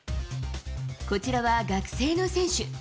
こちらは学生の選手。